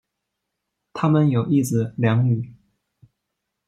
他们有一子两女。